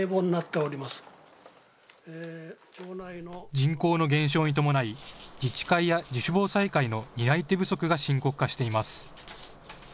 人口の減少に伴い自治会や自主防災会の担い手不足が深刻化しています。